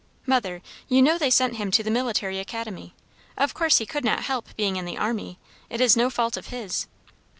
"Mother, you know they sent him to the Military Academy; of course he could not help being in the army. It is no fault of his."